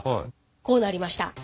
こうなりました。